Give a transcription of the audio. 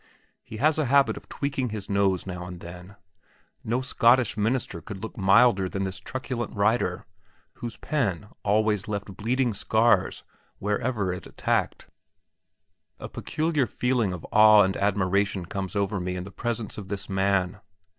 He has a habit of tweaking his nose now and then. No Scotch minister could look milder than this truculent writer, whose pen always left bleeding scars wherever it attacked. A peculiar feeling of awe and admiration comes over me in the presence of this man.